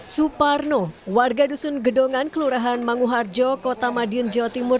suparno warga dusun gedongan kelurahan manguharjo kota madiun jawa timur